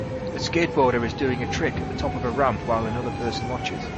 A skateboarder is doing a trick at the top of a ramp while another person watches.